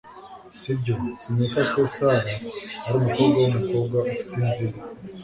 nibyo, sinkeka ko sara ari umukobwa wumukobwa ufite inzika